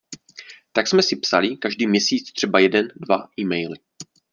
Tak jsme si psali, každý měsíc třeba jeden dva e-maily.